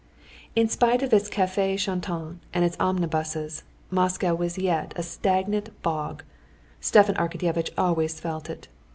In spite of its cafés chantants and its omnibuses, Moscow was yet a stagnant bog. Stepan Arkadyevitch always felt it.